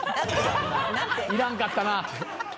いらんかったな。